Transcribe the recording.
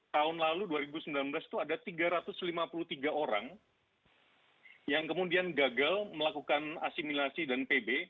tahun lalu dua ribu sembilan belas itu ada tiga ratus lima puluh tiga orang yang kemudian gagal melakukan asimilasi dan pb